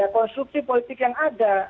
konstruksi politik yang ada